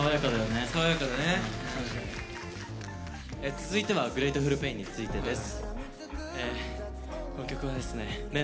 続いては「ＧｒａｔｅｆｕｌＰａｉｎ」についてです。